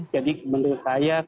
jadi menurut saya